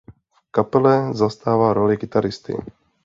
V kapele zastává roli kytaristy.